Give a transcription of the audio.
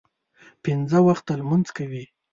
پنځه وخته لمونځ کوي.